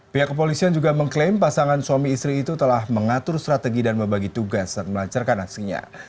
pihak kepolisian juga mengklaim pasangan suami istri itu telah mengatur strategi dan membagi tugas dan melancarkan aksinya